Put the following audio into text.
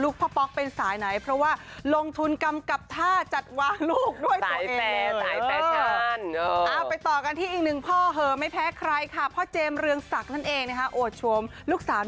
ลูกพ่อเป็นสายไหนเพราะว่าลงทุนกรรมกับท่าจัดกวาลุกตัวเองนี่หอมไปต่อกันที่แบบนึงพ่อเฮอะไม่แท้ใครค่ะพ่อเจียมเรืองสักนั่นเองนะคะโอดชมลูกสาว